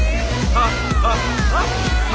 ハッハッハッハ。